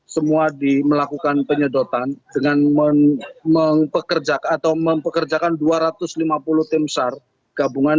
semua dimelakukan penyedotan dengan mempekerjakan dua ratus lima puluh tim sar gabungan